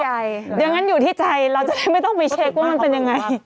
อย่างนั้นอยู่ที่ใจเราจะได้ไม่ต้องไปเช็คว่ามันเป็นยังไง